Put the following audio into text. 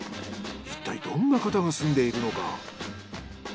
いったいどんな方が住んでいるのか。